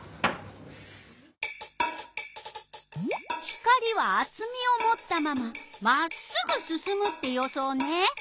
光はあつみをもったまままっすぐすすむって予想ね。